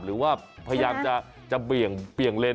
หรือว่าพยายามจะเบี่ยงเลน